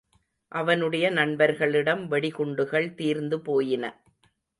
அவனுடைய நண்பர்களிடம் வெடிகுண்டுகள் தீர்ந்துபோயின.